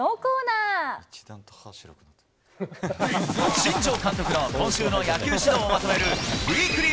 新庄監督の今週の野球指導をまとめるウィークリー